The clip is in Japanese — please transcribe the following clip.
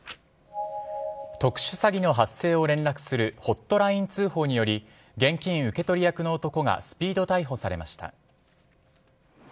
特殊詐欺の発生を連絡するホットライン通報により現金受け取り役の男がスピード逮捕されました。